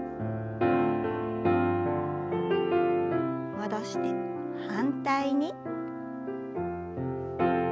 戻して反対に。